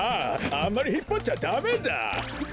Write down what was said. あんまりひっぱっちゃダメだ！